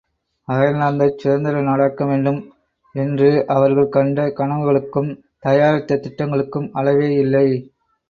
அயர்லாந்தைச் சுதந்திர நாடாக்கவேண்டும் என்று அவர்கள் கண்ட கனவுகளுக்கும் தயாரித்த திட்டங்களுக்கும் அளவேயில்லை.